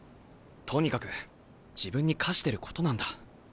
とにかく自分に課してることなんだ。